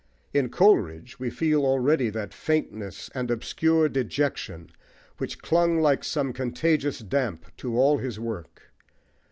In Coleridge we feel already that faintness and obscure dejection which clung like some contagious damp to all his work.